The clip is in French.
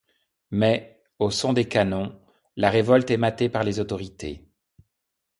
Mais, au son des canons, la révolte est matée par les autorités.